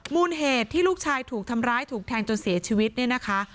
มูลเหตุที่ลูกชายถูกทำร้ายถูกแทงจนเสียชีวิตเนี่ยนะคะ